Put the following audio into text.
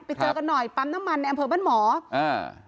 ไปเจอกันหน่อยปั๊มน้ำมันในอำเภอบ้านหมออ่า